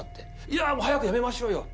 いやもう早くやめましょうよ。